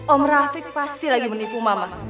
om rafiq pasti lagi menipu mama